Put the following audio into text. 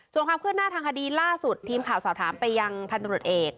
ส่วนความเคลื่อนหน้าทางคดีล่าสุดทีมข่าวสอบถามไปยังพันธุรกิจเอก